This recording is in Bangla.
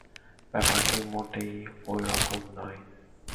ব্যাপারটি মোটেই ঐ রকম নয়।